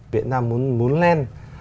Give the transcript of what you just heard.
việt nam muốn lên